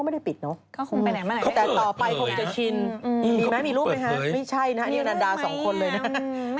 มีใช่นะนี่อันนานดาสองคนเลยนะ